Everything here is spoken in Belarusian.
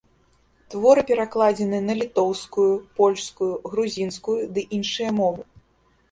Творы перакладзены на літоўскую, польскую, грузінскую ды іншыя мовы.